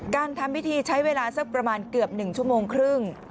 การทำพิธีใช้เวลาสักประมาณเกือบ๑ชั่วโมงครึ่ง